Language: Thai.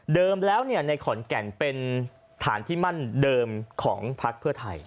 แล้วในขอนแก่นเป็นฐานที่มั่นเดิมของพักเพื่อไทย